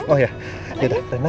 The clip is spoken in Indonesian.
oh ya yaudah rena